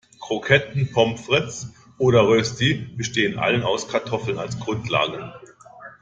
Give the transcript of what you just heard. Kroketten, Pommes frites oder Rösti bestehen alle aus Kartoffeln als Grundlage.